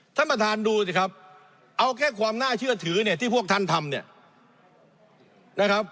ท่านประธานดูสิครับเอาแค่ความน่าเชื่อถือที่พวกท่านทำ